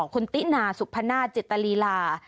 คุณติ๊นาสุภาณาจิตรีลา